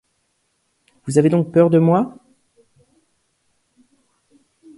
Vous avez donc peur de moi ?